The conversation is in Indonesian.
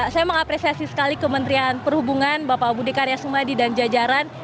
saya mengapresiasi sekali kementerian perhubungan bapak budi karya sumadi dan jajaran